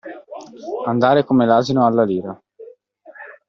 Andare come l'asino alla lira.